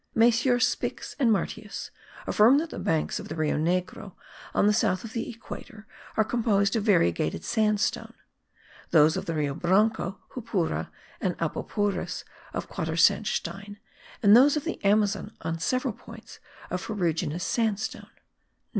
MM. Spix and Martius affirm that the banks of the Rio Negro on the south of the equator are composed of variegated sandstone; those of the Rio Branco, Jupura and Apoporis of quadersandstein; and those of the Amazon, on several points, of ferruginous sandstone.